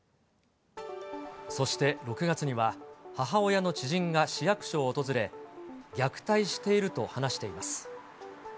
そして６月には、母親の知人が市役所を訪れ、虐待していると話しています。